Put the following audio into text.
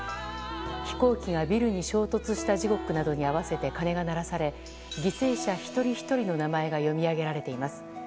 飛行機がビルに衝突した時刻などに合わせて鐘が鳴らされ犠牲者一人ひとりの名前が読み上げられています。